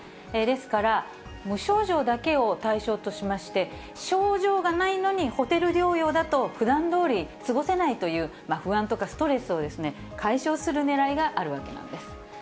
ですから、無症状だけを対象としまして、症状がないのにホテル療養だと、ふだんどおり過ごせないという不安とかストレスを解消するねらいがあるわけなんです。